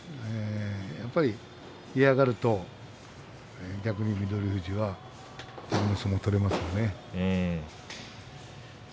やっぱり嫌がると逆に翠富士はこういう相撲が取れますね。